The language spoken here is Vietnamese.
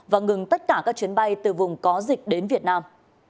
và ngừng tất cả các chuyến bay từ vùng có dịch đến việt nam